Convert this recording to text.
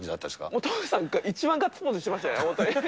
もうトムさんが一番ガッツポーズしてましたよ。